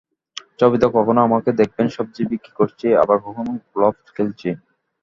ছবিতে কখনো আমাকে দেখবেন সবজি বিক্রি করছি, আবার কখনো গলফ খেলছি।